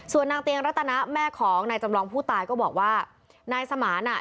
ส่วนนางเตียงรัตนะแม่ของนายจำลองผู้ตายก็บอกว่านายสมานอ่ะ